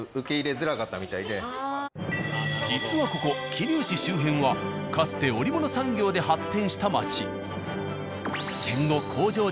実はここ桐生市周辺はかつて織物産業で発展した街。